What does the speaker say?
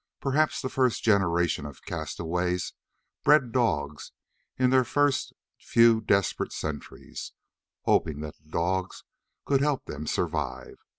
Perhaps the first generations of castaways bred dogs in their first few desperate centuries, hoping that dogs could help them survive.